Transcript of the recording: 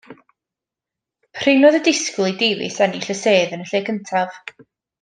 Prin oedd y disgwyl i Davies ennill y sedd yn y lle cyntaf.